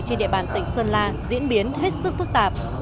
trên địa bàn tỉnh sơn la diễn biến hết sức phức tạp